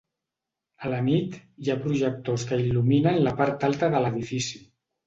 A la nit, hi ha projectors que il·luminen la part alta de l'edifici.